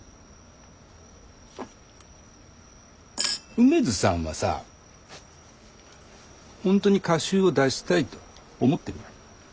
梅津さんはさぁ本当に歌集を出したいと思ってる？